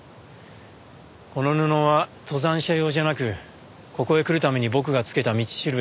この布は登山者用じゃなくここへ来るために僕がつけた道しるべです。